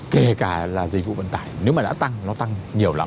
kể cả là dịch vụ vận tải nếu mà đã tăng nó tăng nhiều lắm